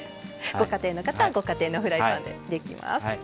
ご家庭の方はご家庭のフライパンでできます。